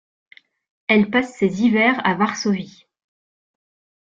Elle passe ses hivers à Varsovie.